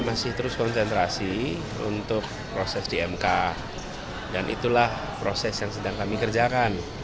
masih terus konsentrasi untuk proses di mk dan itulah proses yang sedang kami kerjakan